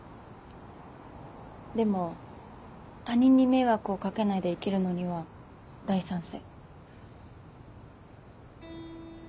でも他人に迷惑をかけないで生きるのには大賛成。